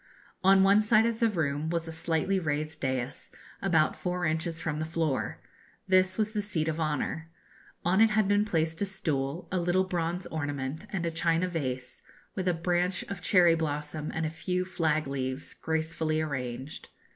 On one side of the room was a slightly raised daïs, about four inches from the floor. This was the seat of honour. On it had been placed a stool, a little bronze ornament, and a china vase, with a branch of cherry blossom and a few flag leaves gracefully arranged.